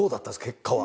結果は。